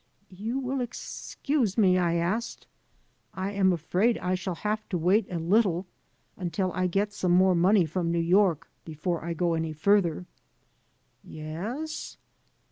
"You will excuse me?" I asked. "I am afraid I shall have to wait a little, until I get some more money from New York, before I go any further." "Yes?"